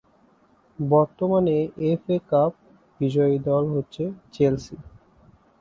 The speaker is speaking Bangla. বর্তমান এফ এ কাপ বিজয়ী দল হচ্ছে চেলসি।